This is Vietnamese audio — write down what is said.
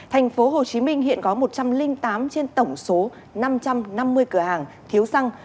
thành phố hồ chí minh hiện có một trăm linh tám trên tổng số năm trăm năm mươi cửa hàng thiếu xăng